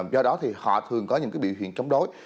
do đó thì họ thường có những biểu hiện chống đối